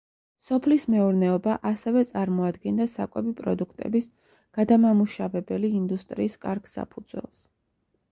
სოფლის მეურნეობა ასევე წარმოადგენდა საკვები პროდუქტების გადამამუშავებელი ინდუსტრიის კარგ საფუძველს.